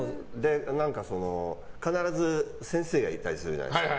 必ず先生がいたりするじゃないですか。